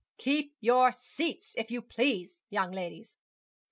'Keep your seats, if you please, young ladies.